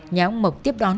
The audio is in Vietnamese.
nhà ông mộc tiếp đón